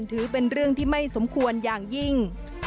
ถือเป็นเรื่องที่ไม่สมควรอย่างยิ่ง